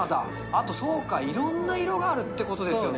あと、そうか、いろんな色があるっていうことですよね。